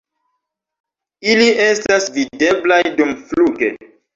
Ili estas videblaj dumfluge.